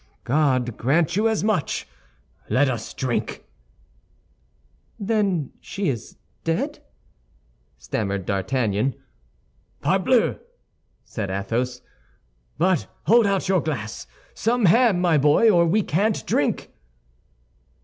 "God grant you as much! Let us drink." "Then she is dead?" stammered D'Artagnan. "Parbleu!" said Athos. "But hold out your glass. Some ham, my boy, or we can't drink."